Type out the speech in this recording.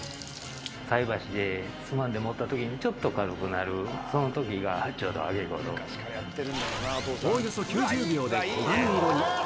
菜箸でつまんで持ったときに、ちょっと軽くなる、おおよそ９０秒で黄金色に。